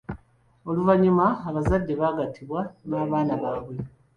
Oluvannyuma abazadde bagattibwa n'abaana baabwe.